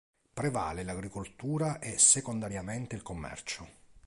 Prevale l'agricoltura e secondariamente il commercio.